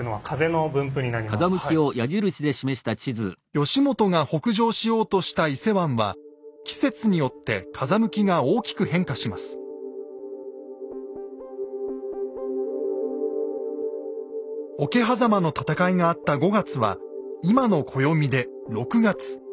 義元が北上しようとした伊勢湾は桶狭間の戦いがあった５月は今の暦で６月。